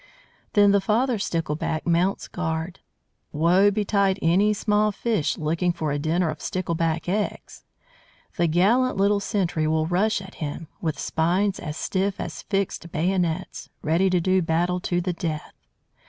Then the father Stickleback mounts guard. Woe betide any small fish looking for a dinner of Stickleback eggs! The gallant little sentry will rush at him, with spines as stiff as fixed bayonets, ready to do battle to the death.